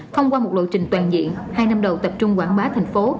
thông qua một lộ trình toàn diện hai năm đầu tập trung quảng bá thành phố